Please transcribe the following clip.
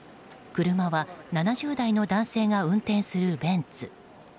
車は７０代の男性が運転するベンツ。